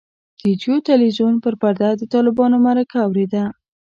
د جیو تلویزیون پر پرده د طالبانو مرکه اورېده.